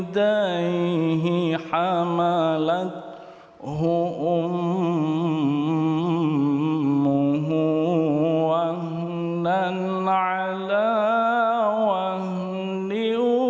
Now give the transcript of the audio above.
dimana aku mencari